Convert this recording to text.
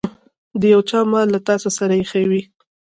د يو چا مال له تاسې سره ايښی وي.